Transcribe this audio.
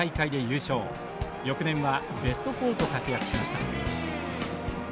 翌年はベスト４と活躍しました。